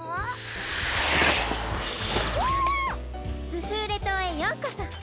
スフーレ島へようこそ。